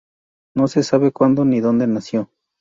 No se sabe cuándo ni dónde nació.